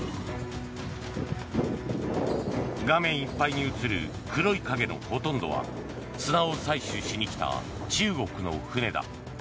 画面いっぱいに映る黒い影のほとんどは砂を採取しに来た中国の船だ。